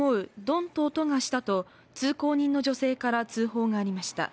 んと音がしたと通行人の女性から通報がありました